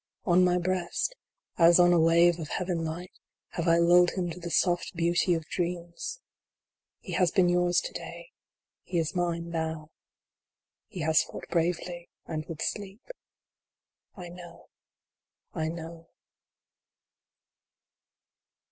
On my breast, as on a wave of heaven light, have I lulled him to the soft beauty of dreams. He has been yours to day ; he is mine now. He has fought bravely, and would sleep. 1 know, I know.